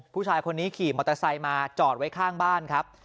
ผู้ชายคนนี้ขี่มอเตอร์ไซค์มาจอดไว้ข้างบ้านครับ